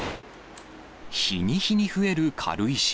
日に日に増える軽石。